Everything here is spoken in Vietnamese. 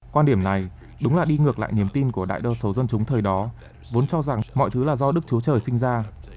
quan điểm này đúng là đi ngược lại niềm tin của đại đa số dân chúng thời đó vốn cho rằng mọi thứ là do đức chúa trời sinh ra